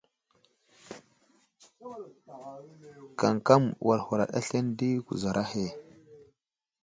Kamkam wal huraɗ aslane di kuzar ahe.